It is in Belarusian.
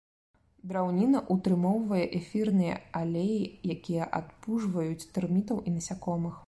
Драўніна ўтрымоўвае эфірныя алеі, якія адпужваюць тэрмітаў і насякомых.